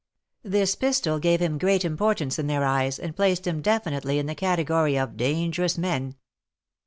This pistol gave him great importance in their eyes, and placed him definitively in the category of dangerous men.